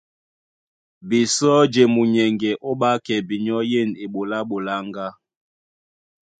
Bisɔ́ di e munyɛŋgɛ ó ɓákɛ binyɔ́ yên eɓoló á ɓoláŋgá.